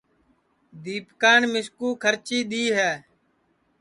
دیپکان مِسکُو کھرچی دؔی ہے